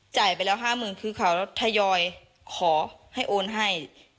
จ่ายไปแล้ว๕๐๐๐คือเขาทยอยขอให้โอนให้